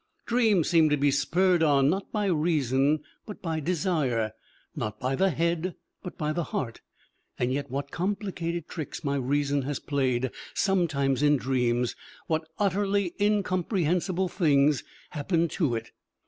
Dreams seem to be spurred on not by reason but by desire, not by the head but by the heart, and yet what complicated tricks my reason has played sometimes in dreams, what utterly incomprehensible things happen to it!